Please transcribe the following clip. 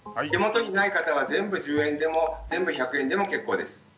手元にない方は全部１０円でも全部１００円でも結構です。